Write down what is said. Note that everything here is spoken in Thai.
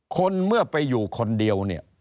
คนเมื่อไปอยู่คนเดียวเนี่ย